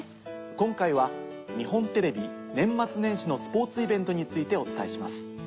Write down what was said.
今回は日本テレビ年末年始のスポーツイベントについてお伝えします。